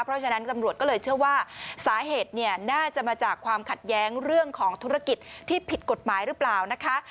เพราะฉะนั้นตำรวจก็เลยเชื่อว่าสาเหตุเนี่ยน่าจะมาจากความขัดแย้งเรื่องของธุรกิจที่ผิดกฎหมายหรือเปล่านะคะ